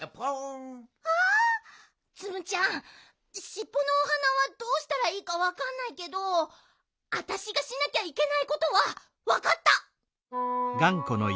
しっぽのお花はどうしたらいいかわかんないけどあたしがしなきゃいけないことはわかった！